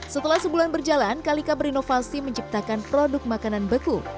setelah sebulan berjalan kalika berinovasi menciptakan produk makanan beku